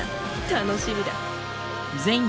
楽しみだ。